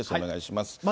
お願いします。